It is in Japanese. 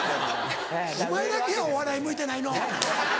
お前だけやお笑い向いてないの！